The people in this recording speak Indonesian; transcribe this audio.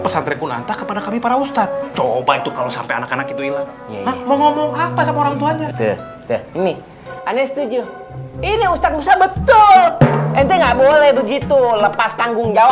sampai jumpa di video selanjutnya